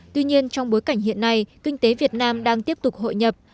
tuy nhiên trong bối cảnh hiện nay kinh tế việt nam đang tiếp tục hội nhập